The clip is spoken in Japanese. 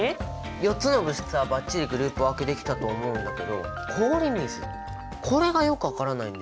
４つの物質はバッチリグループ分けできたと思うんだけど氷水これがよく分からないんだよね。